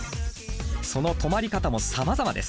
その止まり方もさまざまです。